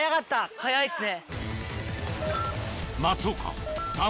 速いっすね。